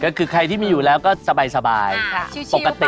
ก็คือใครที่มีอยู่แล้วก็สบายปกติ